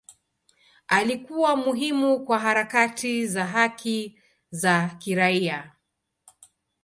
Alikuwa muhimu kwa harakati za haki za kiraia.